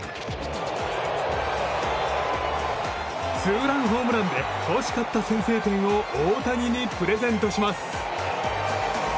ツーランホームランで欲しかった先制点を大谷にプレゼントします。